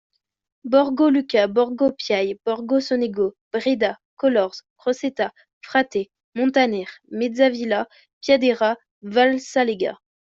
Borgo Luca, Borgo Piai, Borgo Sonego, Breda, Colors, Crosetta, Fratte, Montaner, Mezzavilla, Piadera, Valsalega.